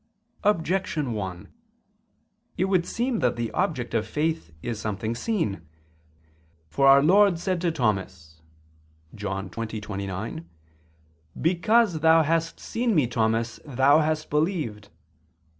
Objection 1: It would seem that the object of faith is something seen. For Our Lord said to Thomas (John 20:29): "Because thou hast seen Me, Thomas, thou hast believed."